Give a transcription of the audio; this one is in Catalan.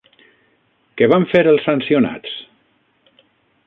Què van fer els sancionats?